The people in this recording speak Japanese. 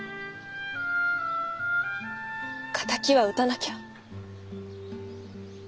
敵は討たなきゃ。